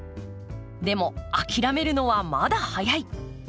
でも諦めるのはまだ早い。